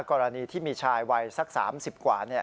กรณีที่มีชายวัยสัก๓๐กว่า